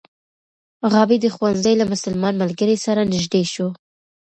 غابي د ښوونځي له مسلمان ملګري سره نژدې شو.